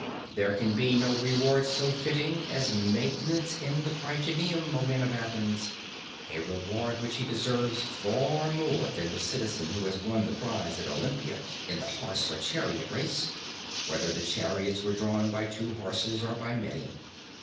There can be no reward so fitting as maintenance in the Prytaneum, O men of Athens, a reward which he deserves far more than the citizen who has won the prize at Olympia in the horse or chariot race, whether the chariots were drawn by two horses or by many.